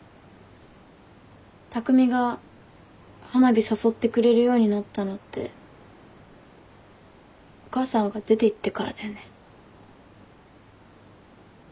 匠が花火誘ってくれるようになったのってお母さんが出ていってからだよね。